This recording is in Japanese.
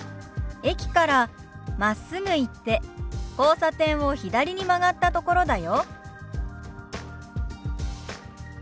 「駅からまっすぐ行って交差点を左に曲がったところだよ」。